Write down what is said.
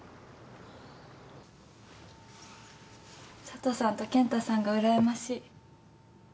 佐都さんと健太さんがうらやましい。